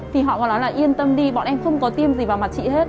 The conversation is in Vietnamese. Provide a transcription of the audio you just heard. thì họ còn nói là yên tâm đi bọn em không có tiêm gì vào mặt chị hết